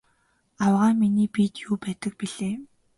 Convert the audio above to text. Авгай миний биед юу байдаг билээ?